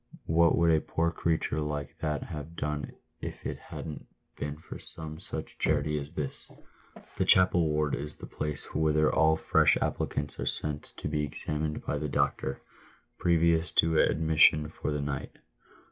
" "What would a poor creature like that have done if it hadn't been for some such charity as this ?" The chapel ward is the place whither all fresh applicants are sent to be examined by the doctor, previous to admission for the night.